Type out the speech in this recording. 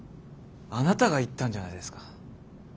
あなたが言ったんじゃないですか。